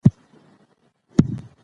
تاسو باید د تاریخ په اړه فکر وکړئ.